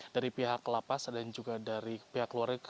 dari pihak lapas dan juga dari pihak keluarga